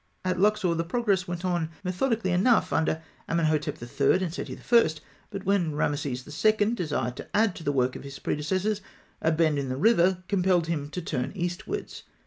At Luxor (fig. 86), the progress went on methodically enough under Amenhotep III. and Seti I., but when Rameses II. desired to add to the work of his predecessors, a bend in the river compelled him to turn eastwards.